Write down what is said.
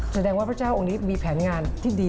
แสดงว่าพระเจ้าองค์นี้มีแผนงานที่ดี